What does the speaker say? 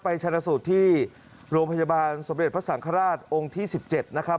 ชนะสูตรที่โรงพยาบาลสมเด็จพระสังฆราชองค์ที่๑๗นะครับ